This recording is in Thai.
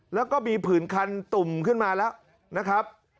แล้วก็มีผื่นคันตุ่มขึ้นมาแล้วนะครับ